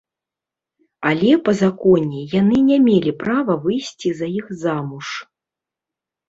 Але, па законе, яны не мелі права выйсці за іх замуж.